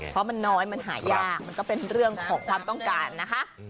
เพราะมันน้อยมันหายากมันก็เป็นเรื่องของความต้องการนะคะ